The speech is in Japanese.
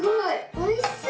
「おいしそう」。